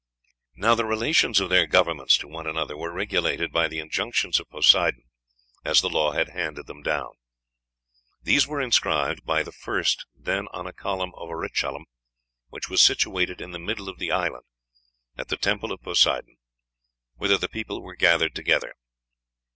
"Now, the relations of their governments to one another were regulated by the injunctions of Poseidon, as the law had handed them down. These were inscribed by the first then on a column of orichalcum, which was situated in the middle of the island, at the Temple of Poseidon, whither the people were gathered together....